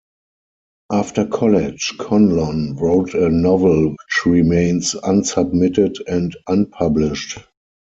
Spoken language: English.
After college Conlon wrote a novel which remains unsubmitted and unpublished.